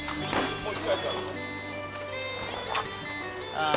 ああ。